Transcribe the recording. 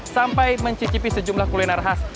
sampai mencicipi sejumlah kuliner khas